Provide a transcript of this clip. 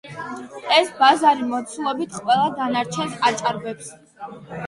ეს ბაზარი მოცულობით ყველა დანარჩენს აჭარბებს.